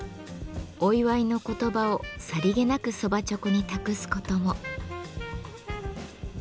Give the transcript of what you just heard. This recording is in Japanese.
お祝いの言葉をさりげなく蕎麦猪口に託すことも。